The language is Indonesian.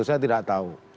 saya tidak tahu